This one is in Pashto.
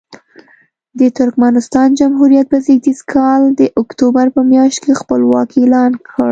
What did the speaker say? د ترکمنستان جمهوریت په زېږدیز کال د اکتوبر په میاشت کې خپلواکي اعلان کړه.